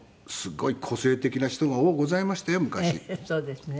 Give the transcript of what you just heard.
そうですね。